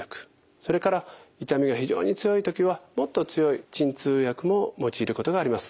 それから痛みが非常に強い時はもっと強い鎮痛薬も用いることがあります。